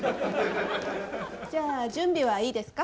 じゃあ準備はいいですか？